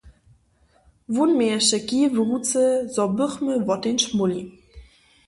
Wón měješe kij w ruce, zo bychmy woteńć móhli.